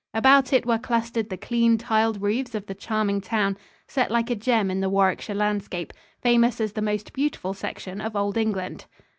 About it were clustered the clean, tiled roofs of the charming town, set like a gem in the Warwickshire landscape, famous as the most beautiful section of Old England.